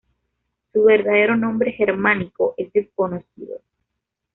Su verdadero nombre germánico es desconocido.